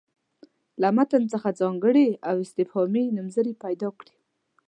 له متن څخه ځانګړي او استفهامي نومځړي پیدا کړي.